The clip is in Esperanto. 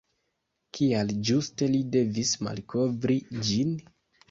Kial ĝuste li devis malkovri ĝin?